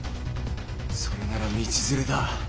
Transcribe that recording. それなら道連れだ！